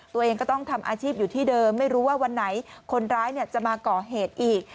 ตัวเองก็ต้องทำอาชีพอยู่ที่เดิมไม่รู้ว่าวันไหนคนร้ายจะมาก่อเหตุอีก